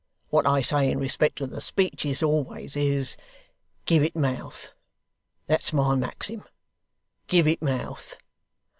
What I say in respect to the speeches always is, "Give it mouth." That's my maxim. Give it mouth.